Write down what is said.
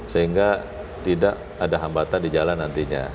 sehingga tidak ada hambatan di jalan nantinya